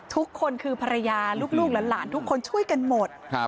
ลูกและหลานทุกคนช่วยกันหมด